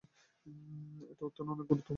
এই উত্থান অনেক গুরুত্বপূর্ণ।